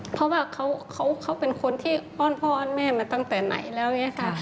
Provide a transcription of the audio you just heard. เพราะว่าเขาเป็นคนที่อ้อนพ่ออ้อนแม่มาตั้งแต่ไหนแล้วอย่างนี้ค่ะ